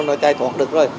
nó chạy thoát được rồi